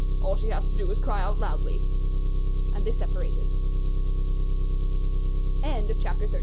all she has to do is cry out loudly." And they separated. Chapter XXXIII.